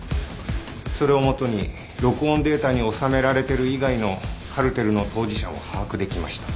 それをもとに録音データに収められてる以外のカルテルの当事者を把握できました。